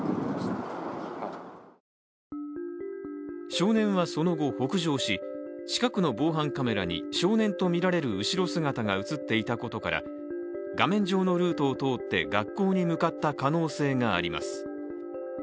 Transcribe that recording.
少年はその後、北上し近くの防犯カメラに少年とみられる後ろ姿が映っていたことから、画面上のルートを通って学校に向かった可能性があります。